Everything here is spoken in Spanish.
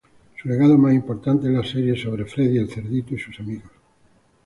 Su legado más importante es la serie sobre Freddy el cerdito y sus amigos.